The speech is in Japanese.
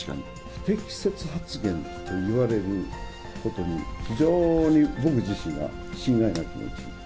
不適切発言と言われることに、非常に僕自身が心外な気持ち。